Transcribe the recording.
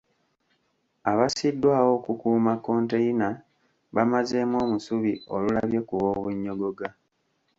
Abassiddwawo okukuuma konteyina bamazeemu omusubi olulabye ku b’obunnyogoga.